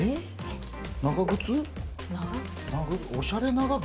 長靴？